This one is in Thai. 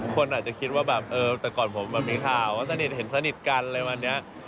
คนอาจจะคิดว่าแบบแต่ก่อนผมมีข่าวสนิทเห็นสนิทกันเลยวันนี้